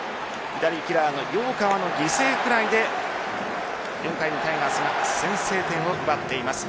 左キラーの陽川の犠牲フライで４回にタイガースが先制点を奪っています。